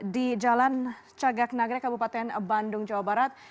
di jalan cagak nagrek kabupaten bandung jawa barat